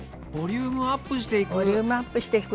ボリュームアップしていく。